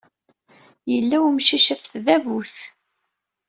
Yella wemcic ɣef tdabut.